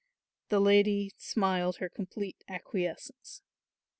The lady smiled her complete acquiescence.